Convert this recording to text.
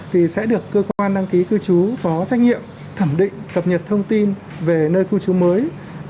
thì sẽ được cơ quan đăng ký cư trú có trách nhiệm thẩm định cập nhật thông tin về nơi cư trú mới